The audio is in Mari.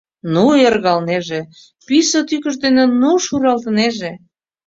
Ну ӧргалнеже, пӱсӧ тӱкыж дене ну шуралтынеже...